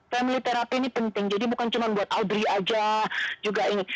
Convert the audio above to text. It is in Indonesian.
family terapi ini penting jadi bukan cuma buat audrey aja juga ini